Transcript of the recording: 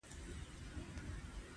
ازادي راډیو د ورزش حالت په ډاګه کړی.